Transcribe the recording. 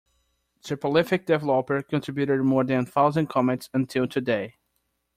The prolific developer contributed more than a thousand commits until today.